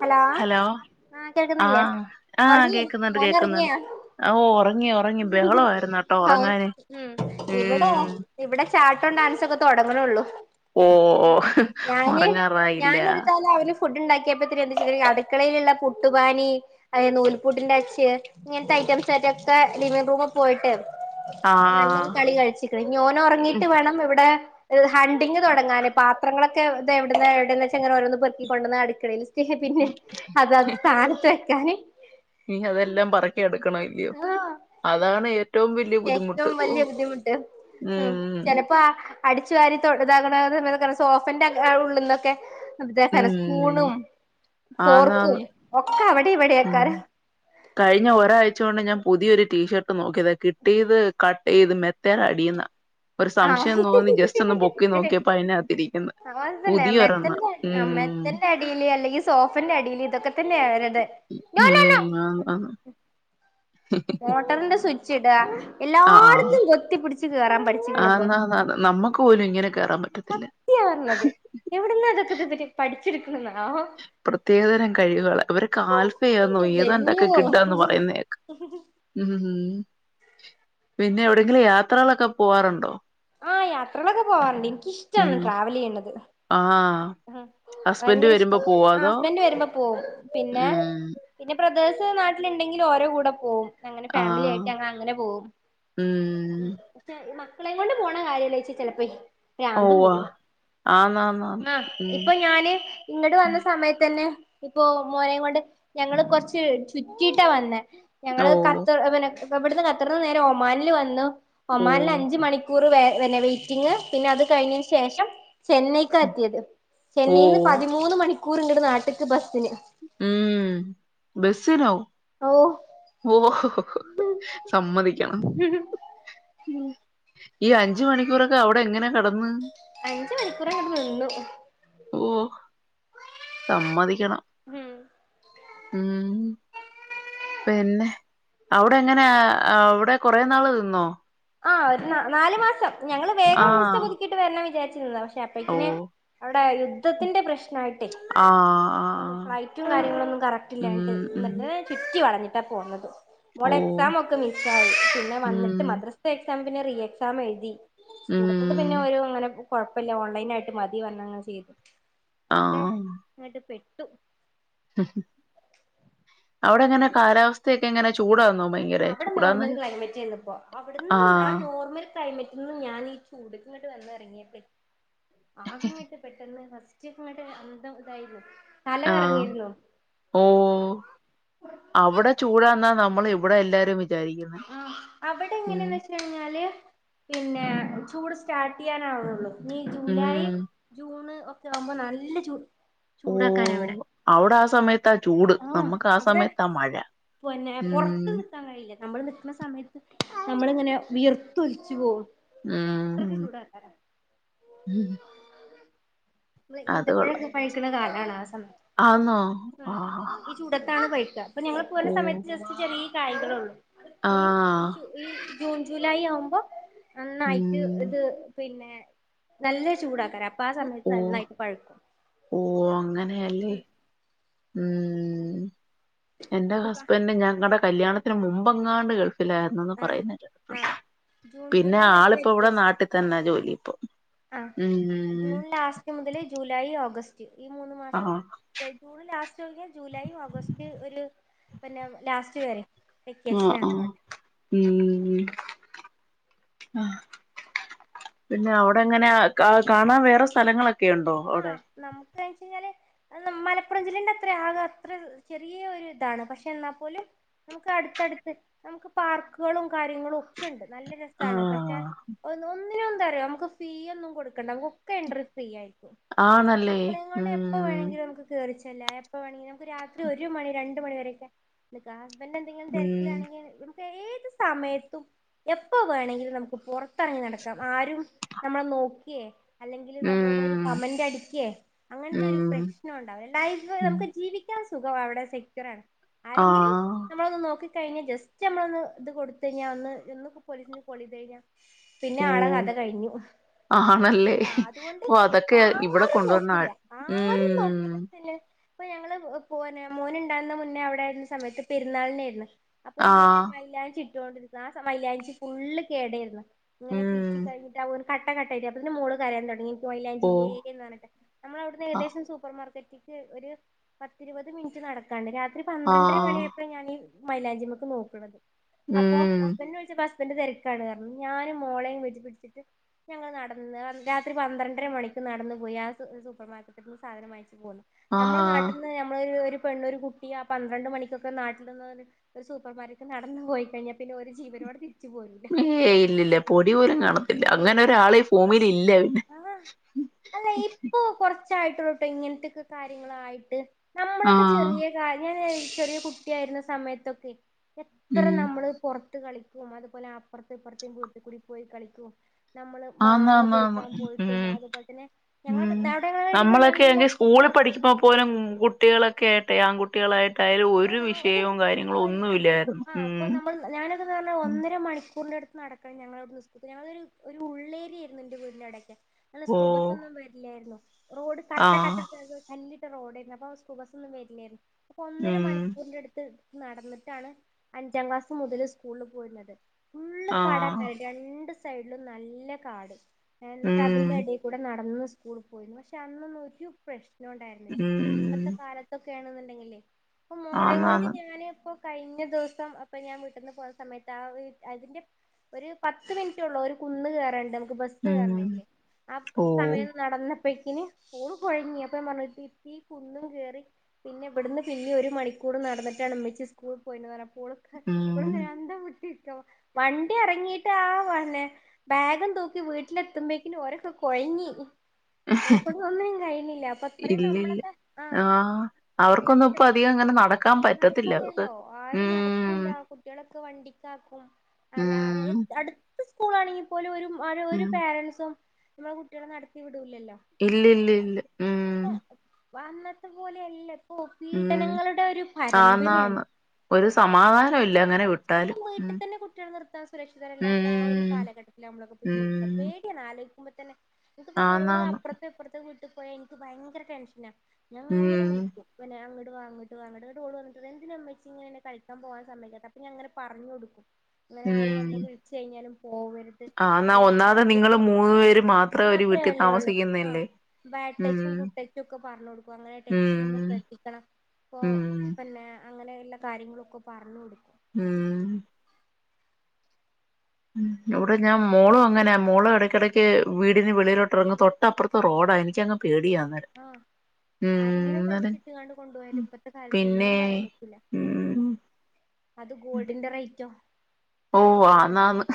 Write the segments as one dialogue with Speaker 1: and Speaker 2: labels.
Speaker 1: Hello ആ കേൾക്കുന്നില്ലേ
Speaker 2: ആഹ് ആഹ്
Speaker 1: ഉറങ്ങി
Speaker 2: കേക്കുന്നുണ്ട്
Speaker 1: മോൻ
Speaker 2: കേക്കുന്നുണ്ട്
Speaker 1: ഉറങ്ങിയാ
Speaker 2: ഓ ഒറങ്ങി ഒറങ്ങി ബഹളമായിരുന്നു കേട്ടോ
Speaker 1: ഉ
Speaker 2: ഒറങ്ങാന്
Speaker 1: ഇവിടെ
Speaker 2: ഉം
Speaker 1: ഇവിടെ ചാട്ടോ ഡാൻസ് ഒക്കെ തുടങ്ങണള്ളൂ.
Speaker 2: ഓ ഒറങ്ങാറായില്ല.
Speaker 1: ണ്ടാക്കിയപ്പോ എന്ത അടുക്കളയിലുള്ള പുട്ടുപാനി അതായത് നൂലപൂട്ടിന്റെ അച്ച് ഇങ്ങനത്തെ ഐറ്റംസ് ആായിട്ടൊക്കെ ലിവിംഗ് റൂമിൽ പോയിട്ട് നല്ലൊരു
Speaker 2: ആഹ്
Speaker 1: കളി കഴിച്ചിക്കണ് ഇനി ഓനൊറങ്ങീട്ട് വേണം ഇവിടെ ഹണ്ടിങ് തുടങ്ങാന് പാത്രങ്ങളക്കെ ഇ എവിടന്ന് എവിടെന്ന് വൊങ്ങന ഓരോന്ന് പെറക്കി. കൊണ്ടന്ന് അടുക്കളയിൽ പിന്നെ അതത് സ്ഥാനത്ത് വെക്കാന്
Speaker 2: ഇനി അതെല്ലാം പറക്കി എടുക്കണം ഇല്ലയോ
Speaker 1: ആഹ്.
Speaker 2: അതാണ് ഏറ്റവും വലിയ
Speaker 1: ഏറ്റവും
Speaker 2: ബുദ്ധിമുട്ട് ഓ
Speaker 1: വലിയ ബുദ്ധിമുട്ട് ആഹ്
Speaker 2: ഉം
Speaker 1: ചെലപ്പോ- അടിച്ചു വാരി തൊടതാകണ സോഫന്റെ ഉള്ളിന്നൊക്കെ- അതഹ
Speaker 2: ഉം
Speaker 1: സ്പൂണും ഫോർക്കും
Speaker 2: ആന്നാന്ന്
Speaker 1: ഒക്കെ അവടെ-
Speaker 2: ഉം കഴിഞ്ഞ ഒരാഴ്- ച്ചുകൊണ്ട് ഞാൻ പുതിയ ഒരു ടീഷർട്ട് നോക്കിയതാ കിട്ടിയത്- കട്ടീത് മെത്തേടടീ- ടീന്നാ-
Speaker 1: ആഹ്
Speaker 2: നോക്കിയപ്പോ അതിനകത്തിരിക്കുന്ന്
Speaker 1: ആ അതല്ലെ
Speaker 2: പുതിയ
Speaker 1: മെത്ത
Speaker 2: ഒരെണ്ണം ഉം
Speaker 1: മെത്തന്റെ അടില് അല്ലെങ്കി- സോഫെന്റെ അടിൽ ഇതൊക്കെ തന്നെയാ-
Speaker 2: ഓം ആന്നാന്ന് -
Speaker 1: മോട്ടറിന്റെ സ്വിച്- ച്ചിടാ-
Speaker 2: ആഹ് ആഹ്
Speaker 1: എല്ലായിടത്തും എത്തിപ്പിടിച്ച് കേറാൻ പഠിച്ചിക്കണപ്പോ
Speaker 2: ആന്നാന്നാന്ന് നമ്മക്ക് പോലും ഇങ്ങനെ കേറാൻ പറ്റത്തില്ല.
Speaker 1: സത്യയാഉള്ളത് എവിട്ന്നാ ഇതൊക്കെ ഇവര് പടി
Speaker 2: പ്രത്യേകതരം കഴിവുകളാ ഇവരൊക്കെ ആൽഫയാന്നോ
Speaker 1: ഇന്റെ
Speaker 2: ഏതാണ്ടൊക്കെ കിട്ടാന്ന്
Speaker 1: പൊന്നോ
Speaker 2: പറയുന്ന കേക്കാം ഉം ഉം പിന്നെ എവിടെങ്കിലും യാത്രകളൊക്കെ പോവാറുണ്ടോ?
Speaker 1: ആ യാത്രകളൊക്കെ പോവാറുണ്ട് ഇനിക്- ഇഷ്ടാണ്
Speaker 2: ഉം
Speaker 1: ട്രാവല്ചെയുന്നത്-
Speaker 2: ആഹ്
Speaker 1: മ്
Speaker 2: ഹസ്ബൻഡ്
Speaker 1: ഭയങ്കര
Speaker 2: വരുമ്പോ
Speaker 1: ഇഷ്ടം
Speaker 2: പോവോ
Speaker 1: ആ
Speaker 2: അതോ
Speaker 1: ഹസ്ബൻഡ് വരുമ്പോ പോവും പിന്നെ
Speaker 2: ഉം
Speaker 1: പിന്നെ ബ്രദേഴ് സ് നാട്ടിലുണ്ടെങ്കിൽ ഓര കൂടെ പോവും അങ്ങനെ ഫാമിലി ആയിട്ട്
Speaker 2: ആഹ്
Speaker 1: ഞങ്ങ അങ്ങനെ പോവും. മ്
Speaker 2: ഉം
Speaker 1: പക്ഷെ ഈ മക്ക ക്കളേം കൊണ്ട് പോണ കാര്യം ആലോയ്ച്ച ചെലപ്പേ
Speaker 2: ഒവ്വാ ആന്ന് ആന്ന് ആ
Speaker 1: ആ ഇപ്പൊ ഞാന് ഇങ്ങട് വന്ന സമയത്തന്നെ ഇപ്പൊ മോനേം കൊണ്ട് ഞങ്ങള് കൊറച്ച് ചുറ്റീട്ട വന്നേ ഞങ്ങള്
Speaker 2: ഓഹ്
Speaker 1: കത്ത് ഇവന്ക് ഇപ്പ ഇവിടുന്ന് ഖത്തർന്ന് നേരെ ഒമാനില് വന്നു ഒമാനില്
Speaker 2: ഓഹ്
Speaker 1: അഞ്ചു മണിക്കൂറ് വേ പിന്നെ വെയിറ്റിങ്ങ് പിന്നെ അത് കഴിഞ്ഞീന് ശേഷം ചെന്നൈക്ക് എത്തിയത്. ചെന്നൈയിന്ന്
Speaker 2: ഓഹ്
Speaker 1: പതിമൂന്ന് മണി ക്കൂറ് ഇങ്ങട്ട് നാട്ട്ക്ക് ബസ്സിന്
Speaker 2: ഉം ബസ്സിലോ
Speaker 1: ഓ
Speaker 2: [unintelligible] സമ്മതിക്കണം ഈ അഞ്ച് മണിക്കൂറൊക്കെ അവടെ എങ്ങനെ കെട
Speaker 1: അഞ്ച് മണിക്കൂറങ്ങട്ട് നിന്നു
Speaker 2: ഓ സമ്മതിക്കണം
Speaker 1: മ്
Speaker 2: ഉം പിന്നെ അവടെ എങ്ങനാ അവടെ കൊറെ നാള് നിന്നോ
Speaker 1: ആ ഒരു ന്നാ നാല് മാസം ഞങ്ങള് വേഗം വിസ
Speaker 2: ആഹ്
Speaker 1: പുതുക്കിയിട്ട് വെര്ണം വിചാരിച്ച് [unintelligible] പക്ഷെ
Speaker 2: ഓ
Speaker 1: അപ്പഴേക്കിന് അവ [unintelligible] ത്തിന്റെ പ്രശ് നായിട്ടേ
Speaker 2: ആഹ്
Speaker 1: ഒന്നും
Speaker 2: ആഹ്
Speaker 1: ഫ്ലൈറ്റും കാര്യങ്ങളൊന്നും കറക്റ്റില്ലാഞ്ഞിട്ട്
Speaker 2: ഉം ഉം
Speaker 1: ന്ന്ട്ടെന്നെ ചുറ്റി വളഞ്ഞ് ട്ട പോന്നത്
Speaker 2: ഓ
Speaker 1: മോളെ എക്സാമൊക്കെ മിസ്സായി പിന്നെ
Speaker 2: ഉം
Speaker 1: വന്നിട്ട് മദ്രസ് ത്തെ എക്സാം പിന്നെ റീ എക്സാം എഴുതി [unintelligible] പിന്നെ
Speaker 2: ഉം
Speaker 1: വരും അങ്ങനെ പോവും കുഴപ്പില്ല ഓൺലൈൻ ആയിട്ട് മതി പറഞ്ഞെങ്ങ് ചെയ്ത് അതെ
Speaker 2: ആഹ്
Speaker 1: ന്ന്ട്ട് പെ [inaudible]
Speaker 2: അവിടെങ്ങനെ കാലാവസ്ഥയൊക്കെ എങ്ങനെ ചൂടാന്നോ
Speaker 1: അല്ല
Speaker 2: ഭയങ്കര
Speaker 1: അവിടെ
Speaker 2: ചൂടാന്ന്
Speaker 1: നോർമൽ ക്ലൈമറ്റ് രുന്നു ഇപ്പോ അവിടെന്ന് ആ
Speaker 2: ആഹ്
Speaker 1: നോർമൽ ക്ലൈമറ്റിൽ നിന്ന് ഞാൻ ഈ ചൂട് ഇങ്ങോട്ട് വന്ന ഇറങ്ങിയപ്പേ [unintelligible] പെട്ടെന്ന് ഫസ്റ്റ് ഇങ്ങട്ട് അന്തം ഇതായി പോകും
Speaker 2: ആഹ് ഓ അവിടെ ചൂടന്നാ നമ്മ മ്മളിവിടെ എല്ലാരും വി
Speaker 1: ആഹ് അവിടെ എങ്ങനെയന്ന് വെച് കഴിഞ്ഞാല് പിന്നെ ചൂട് സ്റ്റാർട്ട് ചെയ്യാനാവുന്നുള്ളു ഈ ജൂലൈ
Speaker 2: ഉം
Speaker 1: ജൂണ് ഒ ആവുമ്പോ നല്ല ചൂ
Speaker 2: ഓ
Speaker 1: ചൂടാക്കാര ഇവിടെ
Speaker 2: ആവടാ ആസമേത്ത
Speaker 1: ആഹ് അവിടെ പിന്നെ പൊറത്ത്
Speaker 2: ഉം
Speaker 1: നിത്താൻ കഴിയില്ല നമ്മള് നിക്ക്ണ സമയത്ത് നമ്മളിങ്ങനെ വിയർത്തൊലിച്ച് പോ അത്രക്ക്
Speaker 2: ഉം
Speaker 1: ചൂടാല്ലെ
Speaker 2: ഉം.
Speaker 1: മ്മള് ഈന്തപഴൊക്കെ പഴുകണ കാണ [unintelligible]
Speaker 2: ആന്നൊ ആഹ്
Speaker 1: അപ്പ ഞങ്ങള്പ്പ വല്ല സമയത്ത് ജസ്റ്റ് ചെറി കായികളൊള്ളൂ
Speaker 2: ആ
Speaker 1: ഈ [unintelligible] ജൂൺ ജൂലൈ ആവുമ്പോ നന്നായിട്ട്
Speaker 2: ഉം
Speaker 1: ഇത് പിന്നെ നല്ല ചൂടാക്കരാ അപ് പ്പാ സമയ
Speaker 2: ഓ
Speaker 1: നന്നായിട്ട് പഴുക്കും
Speaker 2: ഓ അങ്ങനെയല്ലേ ഉം എന്റെ
Speaker 1: ഇപ്പ
Speaker 2: ഹസ്ബൻഡ് ഞങ്ങടെ കല്യാണത്തിന് മുമ്പങ്ങാണ്ട് ഗൾ ലാര്ന്നന്നു
Speaker 1: ആഹ്
Speaker 2: പറയുന്നത്
Speaker 1: ആഹ് ജൂൺ
Speaker 2: പിന്നെ
Speaker 1: ജൂലൈ
Speaker 2: ആളിപ്പോ ഇവിടെ നാട്ടിതന്നെ ജോലി പ്പോ
Speaker 1: ആ ജൂൺ ലാസ്റ്റ് മുതല് ജൂലൈ ഓഗ ഈ മൂന്ന്
Speaker 2: ആ
Speaker 1: മാസം തെ ജൂണ് ലാസ്റ്റ് കഴിഞ്ഞാൽ ജൂലൈയും ഓഗസ്റ്റ് ഒരു പിന്നെ ലാസ്റ്റ് വേരെ
Speaker 2: ആ
Speaker 1: വെക്കേഷനാണിവടെ
Speaker 2: ആഹ് പിന്നെ അവിടെങ്ങന ക കാണാൻ വേറെ സ്ഥലങ്ങളൊ ക്കെയൊണ്ടോ അവിടെ
Speaker 1: ച്ചു കഴിഞ്ഞാല് ന മലപ്പുറം ജില്ലന്റെത്ര ആകം അത്ര ചെറിയ ഒരു ഇതാണ് പക്ഷെ എന്നാപോലും നമുക്ക് അടുത്തടുത്ത് നമുക്ക് പാർക്കുകളും കാര്യങ്ങളും ഒക്കെ ഉണ്ട് നല്ല രസാണ് പക്ഷെ
Speaker 2: ആഹ്
Speaker 1: ഒന്നു വൊന്നും അങ്ങെ എന്താറിയൊ നമുക്ക് ഫീ ഒന്നും കൊടുക്കണ്ട നമുക്കൊക്കെ എൻട്രി ഫ്രീയിരിക്കും
Speaker 2: ആണല്ലേ ഉം
Speaker 1: ല്ലാം എപ്പ വേണെങ്കിലും നമുക്ക് രാത്രി ഒരു മണി രണ്ട് മണി വരെയൊക്കെ എടുക്കാ ഹസ്ബൻഡ് എന്തെങ്കിലും
Speaker 2: ഉം
Speaker 1: തിരക്കിലാണെങ്കി ഏത് സമയത്തും എപ്പ വേണെങ്കിലും നമുക്ക് പുറത്തിറങ്ങി നടക്കാം ആരും നമ്മളെ നോക്കിയേ അല്ലെങ്കിൽ നമ്മളുടെ ഒരു
Speaker 2: ഉം
Speaker 1: കമന്റടിക്കേ അങ്ങനത്തെ ഒരു
Speaker 2: ഉം
Speaker 1: പ്രശ്നം ഉണ്ടാവില്ല ലൈഫ്
Speaker 2: ഉം
Speaker 1: നമുക്ക് ജീവിക്കൻ സുഖവിടെ സെക്യുറാണ് ആരെങ്കിലും
Speaker 2: ആഹ്
Speaker 1: നമ്മളൊന്ന് നോക്കി കഴിഞ്ഞ ജസ്റ്റ് നമ്മൾ ഒന്ന് ഇത് കൊടുത്തഴിഞ്ഞ ഒന്ന് ഒന്ന്പ്പ പോലീസിന് പൊളി ധായിര
Speaker 2: ഓ ആണല്ലേ
Speaker 1: ആഹ് അതുകൊണ്ട്
Speaker 2: ഓ അതൊക്കെ ഒക്കെ ഇവിടെ
Speaker 1: ആരും നോക്കില്ല
Speaker 2: കൊണ്ടുവരന്നയ്
Speaker 1: ആരും
Speaker 2: ഉം
Speaker 1: നോക്കില്ല ഇപ്പൊ ഞങ്ങള് പൊ പോര്നെ മോന് ഇണ്ടാവുന്ന മുന്നേ അവിടെ ആരുന്ന സമയത്ത് പെരുന്നാളിനെയിരുന്നു അപ്പൊ നിങ്ങൾ
Speaker 2: ആഹ്
Speaker 1: മൈലാഞ്ചി ഇട്ടോണ്ടിരുന്ന ആ സമ മൈലാഞ്ചി ഫുള്ള് കേടയിരുന്നു ഇങ്ങനെ
Speaker 2: ഉം
Speaker 1: പീച്ചി കഴിഞ്ഞിട്ട് ആഹ് ഒന് കട്ട കട്ട അല്ലേ അപ്പ്തനും മോള് കരയാൻ തുടങ്ങി
Speaker 2: ഓ
Speaker 1: ദെയ്‌രം വേണോട്ട നമ്മളവിടുന്ന്
Speaker 2: ആ
Speaker 1: ഏകദേശം സൂപ്പർ മാർക്കറ്റ് ഒരു പത്തിരുപത് മിനിറ്റ് നടക്കാണ്ട് രാ- ഒരു പന്ത്രണ്ടര
Speaker 2: ആഹ്
Speaker 1: മണിയായപ്പോ ഞാൻ ഈ മൈലാഞ്ചി ഞമ്മക്ക് നോക്കണത് അപ്പോ
Speaker 2: ഉം
Speaker 1: ഹസ്ബൻഡ് വിളിച്ചപ്പോ- ഹസ്ബൻഡ് തിരക്കാണ് പറഞ്ഞു ഞാനും മോളെയും പിടിച്ച് പിടിച്ചിട്ട് ഞങ്ങൾ നടന്ന് രാത്രി പന്ത്രണ്ടര മണിക്ക് നടന്ന് പോയി ആഹ് സൂ സൂപ്പർ മാർക്കറ്റിൽ പോയി സാധനം വാങ്ങിച്ചു പോലെ നമ്മൾ
Speaker 2: ആഹ്
Speaker 1: നാട്ടിന്ന് നമ്മളൊരു ഒരു പെണ്ണൊരു കുട്ടി ആ പന്ത്രണ്ട് മണിക്കൊക്കെ നാട്ടിനിന്ന് ഒരു സൂപ്പർമാർക്കറ്റ് നടന്നു പോയി കഴിഞ്ഞാൽ പിന്നെ ഓരു ജീവനോട് തിരി-
Speaker 2: ഏയ് ഇല്ലില്ല പൊടി പോലും കാണത്തില്ല അങ്ങനെ ഒരാള് ഈ ഭൂമിയിൽ ഇല്ല പിന്നെ
Speaker 1: ആ ആ അല്ല ഇപ്പൊ കൊറ- കൊറച്ചേ ആയിട്ടുള്ളു ട്ടോ ഇങ്ങനത്തൊക്കെ കാര്യങ്ങളായിട്ട് നമ്മളൊക്കെ
Speaker 2: ആഹ്
Speaker 1: ചെറിയ കാര്യ [unintelligible] ചെറിയ കുട്ടി ആയിരുന്ന സമയത്തൊക്കെ എത്ര
Speaker 2: ഉം
Speaker 1: നമ്മള് പുറത്ത് - ഇട്ട് കളിക്കും അതുപോലെ അപ്പറത്തും ഇപ്പറത്തും വീട്ടിൽ കൂടി പോയി കളിക്കും നമ്മള് മാങ്ങ
Speaker 2: ആന്നാന്നാന്ന്
Speaker 1: പെറുക്കാൻ പോയിട്ടും
Speaker 2: ഉം
Speaker 1: അതുപോലെ തന്നെ- ഞങ്ങളൊക്കെ
Speaker 2: ഉം
Speaker 1: അവിടെ ഞങ്ങളൊക്കെ
Speaker 2: നമ്മളൊക്കെ
Speaker 1: നല്ല
Speaker 2: എങ്കിൽ
Speaker 1: ആ
Speaker 2: സ്കൂളിൽ പഠിക്കുമ്പോ പോലും കുട്ടികളൊക്കെ- കുട്ടി ആൺകുട്ടികളായിട്ടായാലും ഒരു
Speaker 1: ആഹ്
Speaker 2: വിഷയവും കാര്യങ്ങളും
Speaker 1: പ്രശ്നോല്ല
Speaker 2: ഒന്നുമില്ലായിരുന്നു
Speaker 1: ആഹ് അപ്പൊ നമ്മൾ ഞാനൊക്കെന്ന് പറഞ്ഞാ
Speaker 2: ഉം
Speaker 1: ഒന്നര മണിക്കൂറിന്റെ അടുത്ത് നടക്കണം ഞങ്ങളവിടെ നിന്ന് സ്കൂളിലേക്ക് ഞങ്ങളൊരു ഉള്ളേരിയയിരുന്നു എന്റെ വീടിന്റ അവിടെ നല്ല
Speaker 2: ഓ
Speaker 1: സ്കൂൾ ബസൊന്നും വരില്ലായിരുന്നു റോഡ് കട്ട കട്ട
Speaker 2: ആഹ്
Speaker 1: ചേർന്ന് കല്ല് ട്ട റോഡേരുന്നു അപ്പ സ്കൂൾ ബസ്സൊന്നും വെര്ല്ലായിരുന്നു ഒന്നര
Speaker 2: ഉം
Speaker 1: മണിക്കൂറിന്റട്ത്ത് നടന്ന്ട്ടാണ് അഞ്ചാം ക്ലാസ്സ് മുതല് സ്കൂള്ല് പോയിര്ന്നത് ഫുള്ള്
Speaker 2: ആഹ്
Speaker 1: കടക്കെ രണ്ട് സൈഡിലും നല്ല കാട് എന്നിട്ട്
Speaker 2: ഉം
Speaker 1: അതിന്റെടേ കൂടെ നടന്ന് സ് കൂള് പോയിരുന്നു പക്ഷേ അന്നൊന്നും ഒരു പ്രശ് നുണ്ടായിരുന്നില്ല ഇപ്പത്തെ
Speaker 2: ഉം
Speaker 1: കാലത്ത് [unintelligible] തെങ്ങില്ലേ അപ്പൊ മോളെം കൊണ്ട്
Speaker 2: ആന്നാന്ന്
Speaker 1: ഞാനീപ്പൊ കഴിഞ്ഞ ദിവസം അപ്പൊ ഞാൻ വീട്ടീന്ന് പോന്ന സമയത്ത് ആ അതിന്റെ ഒരു പത്ത് മിനിറ്റൊള്ളു ഒരു കുന്ന് കേറാൻണ്ട് ബസ്
Speaker 2: ഉം
Speaker 1: കേറണെങ്കില് ആ
Speaker 2: ഓ
Speaker 1: സമയം നടന്ന് ഇപ്പക്കിന് ഓള് കൊഴങ്ങി അപ്പം ഞാൻ പറഞ്ഞ് ഈ കുന്നും കേറി പിന്നെ ഇവിടുന്ന് പിന്നിം ഒരു മണിക്കൂർ നടന്നിട്ടാണ് ഇമ്മച്ചി സ്കൂൾ പോയിണ് പറ ഓളോക്കെ
Speaker 2: ഉം
Speaker 1: ഇപ്പളു ങ്ങനെ അന്തംവിട്ട് വണ്ടി എറങ്ങീട്ട് ആ വന്നെ ബാഗും തൂക്കി വീട്ടിലെത്തുമ്പക്കിനി ഓരൊക്കെ കൊഴങ്ങി ഇവരെ കൊണ്ട് ഒന്നിനും കയ്യിണില്ല അപ്പൊ അത്രയും
Speaker 2: ഇല്ലില്ല
Speaker 1: നമ്മളൊക്കെ ആ
Speaker 2: ആഹ് അവർക്കൊന്നും ഇപ്പൊ
Speaker 1: കഷ്ടപ്പെടാം
Speaker 2: അധികം അങ്ങനെ നടക്കാൻ പറ്റത്തില്ല അവർക്ക്
Speaker 1: നടക്കല്ലല്ലോ ആരും
Speaker 2: ഉം
Speaker 1: നടക്കൂല്ല കുട്ടികളൊക്കെ വണ്ടിക്കാക്കും അല്ല
Speaker 2: ഉം
Speaker 1: അട് സ്കൂളാണെങ്കിൽ പോലും ഒരു അ ഒരു
Speaker 2: ഉം
Speaker 1: പേരന്റ്സോ നമ്മളെ കുട്ടികളെ നടത്തി വി
Speaker 2: ഇല്ലി ല്ലില്ലില്ല ഉം
Speaker 1: ഇപ്പൊ അന്നത്തെ പോലെയല്ല
Speaker 2: ഉം
Speaker 1: പ്പൊപീഡനങ്ങളുടെ ഒരു പരമ്പരയാണ്
Speaker 2: ആന്നാന്ന് ഒരു സമാധാനം ഇല്ല അങ്ങനെ വിട്ടാലും
Speaker 1: സ്വന്തം വീട്ടി
Speaker 2: ഉം
Speaker 1: തന്നെ കുട്ടികളെ നിർത്താൻ സുരക്ഷിതരല്ലാത്ത ആ ഒരു
Speaker 2: ഉം
Speaker 1: കാലഘട്ടത്തിൽ നമ്മളൊക്കെ ഇപ്പൊ ജീവിക്ക
Speaker 2: ഉം
Speaker 1: പേടിയാണ് അലോയ്ക്കുമ്പോ ക്കുമ്പോ തന്നെ ഇത് ഇപ്പ വള്
Speaker 2: ആന്നാന്ന്
Speaker 1: അപ്പർത്തെ ഇപ്പർത്തെ വീട്ട് പോയ എനിക്ക് ഭയങ്കര ടെൻഷനാ ഞാന്
Speaker 2: ഉം
Speaker 1: വിളി പിന്നെ ഞാ ങ്ങട്ട് വാ ങ്ങട്ട് വാ ഇങ്ങട്ട് ഓള് വന്നിട്ട് എന്തിനാ ഇമ്മച്ചി ങ്ങനെ ഇന്നേ കളിക്കാൻ പോവാൻ സമ്മയ്ക്കാത്തെ അപ്പം ഞാ ങ്ങനെ പർഞ്ഞൊടു ഇങ്ങനെ ആര് വന്ന് വിളിച്ചഴിഞ്ഞാലും
Speaker 2: ആ എന്നാ ഒന്നാമത് നിങ്ങൾ
Speaker 1: ആ
Speaker 2: മൂന്നു പേര് മാത്രം ഒരു വീട്ടി
Speaker 1: മാത്രമല്ലേ ഉള്ളൂ ആ
Speaker 2: താമസിക്കുന്നല്ലേ
Speaker 1: ബാഡ്
Speaker 2: ഉം
Speaker 1: ടച്ചും ഗുഡ് ടച്ചും ഒക്കെ പറഞ്ഞു കൊടുക്കും അങ്ങനെ ടച്ച്
Speaker 2: ഉം
Speaker 1: ചെയ്യുമ്പോ ശ്രദ്ധിക്കണം ഇപ്പോ
Speaker 2: ഉം
Speaker 1: പിന്നെ അങ്ങനെ ള്ള കാര്യങ്ങളൊക്കെ പർഞ്ഞൊടു
Speaker 2: ഉം ഇവിടെ ഞാൻ മോളും അങ്ങനെയാ മോളും ഇടയ്ക്കിടക്ക് വീടിന് വെളിയിലോട്ടിറങ്ങും തൊട്ടപ്പുറത്ത് റോഡാ എനിക്കങ്ങ് പേടിയാ അന്നേരം
Speaker 1: ആ ആരെങ്കിലും
Speaker 2: ഉം അന്നേരം
Speaker 1: വലിച്ചിട്ട്ങ്ങാണ്ട് കൊണ്ടോയാല് ഇപ്പത്തെ കാലത്ത്
Speaker 2: പിന്നെ
Speaker 1: ഒന്നും പറയാൻ പറ്റില്ല
Speaker 2: ഉം
Speaker 1: അത് ഗോൾഡിന്റെ റൈ റ്റും
Speaker 2: ഓ
Speaker 1: അതെ അതെ
Speaker 2: ആന്നാന്ന്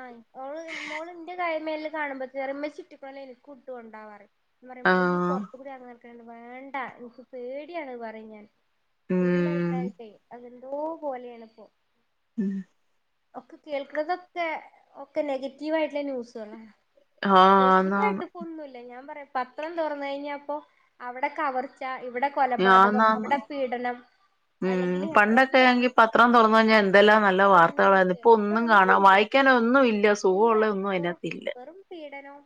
Speaker 1: ആ ഓൾ മോൾന്റെ കാര്യ മേൽ കാണുമ്പോത്തിന് പറിം ഇമ്മച്ചി ഇട്ട് പോലെ എനിക്കും ഇട്ടുകൊണ്ടാ പറിം ഞാൻ പറിം ഇയ്യ്
Speaker 2: ആഹ്
Speaker 1: പൊറത്തുകൂടെ ഇറങ്ങുന്ന വേണ്ട എനിക്ക് പേടിയാണ് പറയും ഞാൻ ഫുള്ള് അത്
Speaker 2: ഉം
Speaker 1: ഇതായിട്ടേ [unintelligible] പോലെയാണ് ഇപ്പോ
Speaker 2: ഉം
Speaker 1: ഒക്കെ കേൾക്കണതൊക്കെ ഒക്കെ നെഗറ്റീവായിട്ടുള്ള ന്യൂസുകള
Speaker 2: ആഹ്
Speaker 1: പോസിറ്റീവ്
Speaker 2: ആന്നാന്ന്
Speaker 1: ആയിട്ട് ഇപ്പൊ ഒന്നുമില്ല ഞാൻ പറയാ പത്രം തുറന്ന കഴിഞ്ഞപ്പോ അവിടെ കവർച്ച ഇവിടെ
Speaker 2: ആണ്
Speaker 1: കൊലപാതകം
Speaker 2: ആണ്
Speaker 1: അവിടെ പീഡനം
Speaker 2: ഉം
Speaker 1: അല്ലെങ്കില് ഒക്കെ
Speaker 2: പണ്ടൊക്കെ പത്രം തുറന്നു കഴിഞ്ഞാൽ എന്തെല്ലാം നല്ല
Speaker 1: ആഹ്
Speaker 2: വാർത്തകളായി
Speaker 1: ന്യൂസ് ഇല്ല
Speaker 2: സുഖമുള്ള ഒന്നും
Speaker 1: വെറും
Speaker 2: അതിനകത്തില്ല
Speaker 1: വെറും പീഡനവും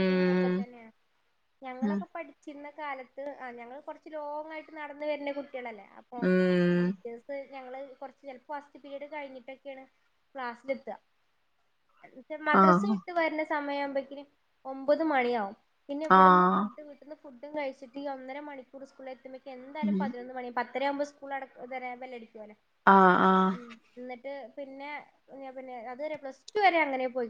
Speaker 1: ഇതും ഒക്കെ തന്നെയാണ്
Speaker 2: ഉം
Speaker 1: ഞങ്ങളൊക്കെ പഠിച്ചിരുന്ന കാലത്ത് ആ ഞങ്ങൾ കുറച്ച് ലോങ് ആയിട്ട് നടന്നന്ന് വരുന്ന ല്ലേ അപ്പൊ
Speaker 2: ഉം
Speaker 1: ടീച്ചേഴ [unintelligible] ഞങ്ങൾ കുറച്ച് ചിലപ്പോൾ ഫസ്റ്റ് പിരീയഡ് കഴിഞ്ഞിട്ട് [inaudible] ക്ലാസ്സിൽ എത്ത [unintelligible] മദ്രസ
Speaker 2: ആഹ്
Speaker 1: വിട്ട് വരുന്ന സമയുമ്പക്കും ഒമ്പത് മണിയാവും പിന്നെ ഇവിടുന്ന്
Speaker 2: ആഹ്
Speaker 1: ഫുഡ് വീട്ടിൽ ന്ന് ഫുഡും കഴിച്ചിട്ട് ഈ ഒന്നര മണിക്കൂർ [inaudible] എന്തായാലും
Speaker 2: ഉം
Speaker 1: പതിനൊന്ന് മണി യാവും പ പത്തര ആവുമ്പോ
Speaker 2: ആഹ് ആഹ്
Speaker 1: [unintelligible] പിന്നെ പിന്നെ അതുവരെ പ്ലസ്ടു വരെ അങ്ങനെ പോയി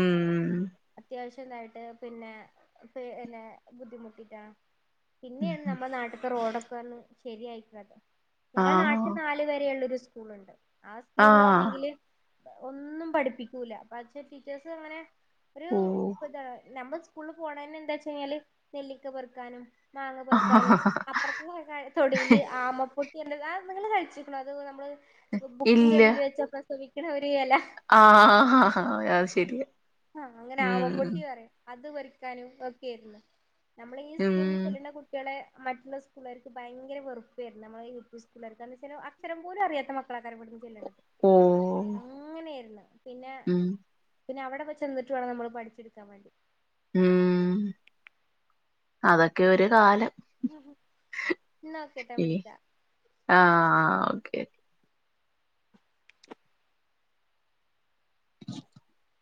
Speaker 2: ഉം
Speaker 1: അത്യാവശ്യം പിന്നെ ബുദ്ധിമുട്ടിട്ടാ പിന്നെയാണ് നമ്മുടെ നാട്ടത്തെ രോടൊക്കെ ന്ന് ശരിയായികനത് ഞങ്ങൾ
Speaker 2: ആഹ്
Speaker 1: നാട്ടിൽ നാല് വരെയുള്ളു സ്കൂളുണ്ട് ആ
Speaker 2: ആഹ്
Speaker 1: സ്കൂളിലാണെങ്കില് ഒന്നും പഠിപ്പിക്കൂല പക്ഷേ ടീച്ചേഴസ് അങ്ങനെ ഒരു
Speaker 2: ഓഹ്
Speaker 1: നമ്മളെ സ്കൂള് പോണെ എന്താ വെച്ച കഴിഞ്ഞാല് നെല്ലിക്ക പെറുക്കാനും മാങ്ങ പെറുക്കാനും അപ്പുറത്തെ തൊടിയില് ആമപ്പൊ ത് ആ നിങ്ങൾ കഴിച്ചിരിക്കണം അത് നമ്മൾ ബുക്കിന്റെ അടീൽ വെച്ചക്ക [unintelligible]
Speaker 2: ആാാ ആാാാാ
Speaker 1: ആഹ് അങ്ങനെ ആമപ്പൊട്ടി പറയും അത് വറിക്കാനും ഒക്കെയിരുന്നു നമ്മള ഈ
Speaker 2: ഉം
Speaker 1: സ്കൂളു ചെല്ലുന്ന കുട്ടികളെ മറ്റുള്ള സ്കൂളുകർക്ക് ഭയങ്കര വെറപ്പുായിരുന്നു നമ്മള് യു പി സ്കൂുകാർക്കാന്ന് വെച്ചാൽ അക്ഷരം പോലും അറിയാത്ത മ കള ക ചെല്ലുനത്
Speaker 2: ഓഹ്
Speaker 1: അങ്ങനെയായിരുന്നു പിന്നെ
Speaker 2: ഉം
Speaker 1: പിന്നെ അവിടെെ ചെന്നിട്ട് വേണം നമ്മൾ പഠിച്ചെടുക്കാൻേണ്ടി
Speaker 2: ഉം അതൊക്കെ ഒരു കാലം
Speaker 1: എന്നാ ഒ കെ ട്ടാ
Speaker 2: ഈ
Speaker 1: വിളിക്ക
Speaker 2: ആഹ് ഓക്കെ [unintelligible]